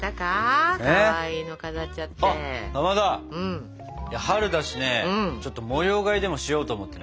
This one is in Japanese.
あっかまど春だしねちょっと模様替えでもしようと思ってね。